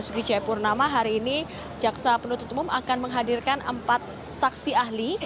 basuki cepurnama hari ini jaksa penuntut umum akan menghadirkan empat saksi ahli